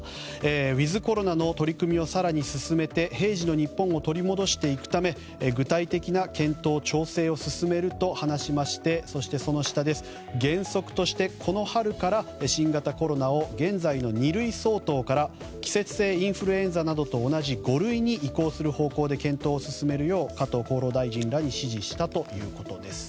ウィズコロナの取り組みを更に進めて平時の日本を取り戻していくため具体的な検討・調整を進めると話しましてそして原則として、この春から新型コロナを現在の二類相当から季節性インフルエンザなどと同じ五類に移行する方向で検討を進めるよう加藤厚労大臣らに指示したということです。